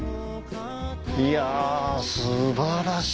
いや素晴らしい。